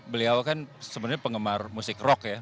beliau kan sebenarnya penggemar musik rock ya